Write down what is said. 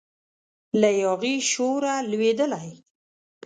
له یاغي شوره لویدلی